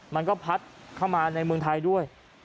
มันก็พัดเข้ามาในเมืองไทยด้วย